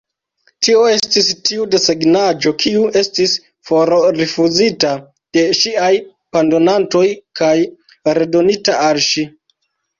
Tio estis tiu desegnaĵo, kiu estis forrifuzita de ŝiaj pandonantoj kaj redonita al ŝi.